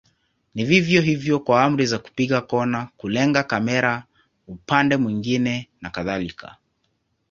Ni vivyo hivyo kwa amri za kupiga kona, kulenga kamera upande mwingine na kadhalika.